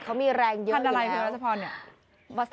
เขามีแรงเยอะอยู่แล้วพันธุ์อะไรด้วยรัจพร